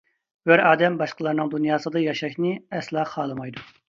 ھۆر ئادەم باشقىلارنىڭ دۇنياسىدا ياشاشنى ئەسلا خالىمايدۇ.